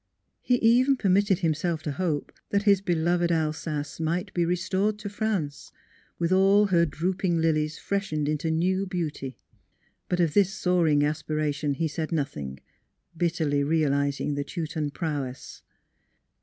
He even permitted himself to hope that his be loved Alsace might be restored to France, with all her drooping lilies freshened into new beauty. But of this soaring aspiration he said nothing, bitterly realizing the Teuton prowess.